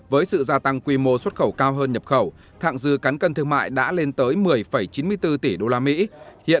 với sự gia tăng quy mô xuất khẩu cao hơn nhập khẩu thạng dư cắn cân thương mại đã lên tới một mươi chín